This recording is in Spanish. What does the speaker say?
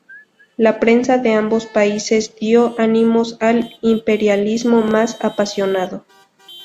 La prensa de ambos países dio ánimos al imperialismo más apasionado.